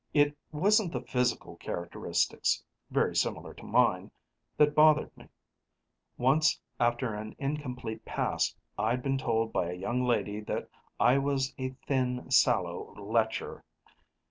It wasn't the physical characteristics, very similar to mine, that bothered me once after an incomplete pass, I'd been told by a young lady that I was a "thin, sallow lecher."